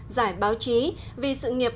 giải báo chí vì sự nghiệp